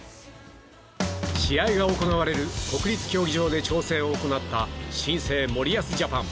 試合が行われる国立競技場で調整を行った新生森保ジャパン。